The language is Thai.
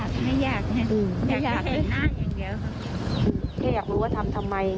แค่อยากรู้ว่าทำทำไม